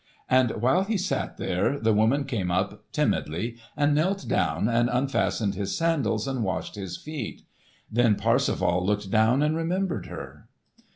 And while he sat there, the woman came up timidly and knelt down and unfastened his sandals and washed his feet. Then Parsifal looked down and remembered her.